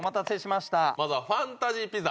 まずはファンタジーピザ。